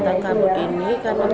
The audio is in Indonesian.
kan itu memang agak khawatir